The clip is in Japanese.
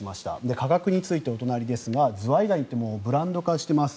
価格について、ズワイガニってもうブランド化しています。